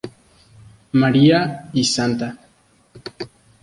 María y Sta.